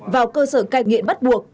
vào cơ sở cai nghiện bắt buộc